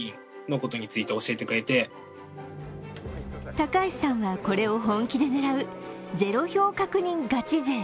高橋さんはこれを本気で狙う零票確認ガチ勢。